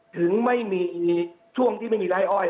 ถึงไม่มีช่วงที่ไม่มีไร้อ้อย